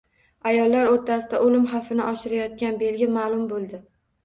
Ayollar o‘rtasida o‘lim xavfini oshiradigan belgi ma’lum bo‘ldi